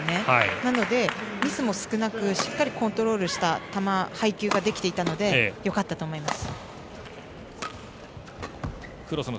なので、ミスも少なくしっかりコントロールした球配球ができていたのでよかったと思います。